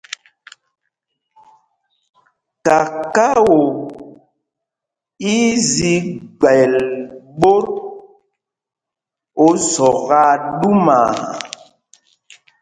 Kakao í í zi gbɛl ɓót o Zɔk aa ɗumaa.